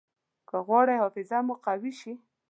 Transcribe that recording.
که غواړئ حافظه مو قوي شي.